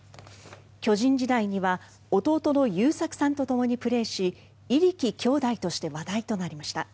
巨人時代には弟の祐作さんとともにプレーし入来兄弟として話題となりました。